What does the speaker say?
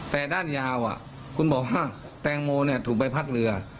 แต่ด้านยาวคุณบอกว่าแตงโมถูกใบพัดเรือ